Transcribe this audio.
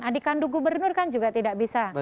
adik kandung gubernur kan juga tidak bisa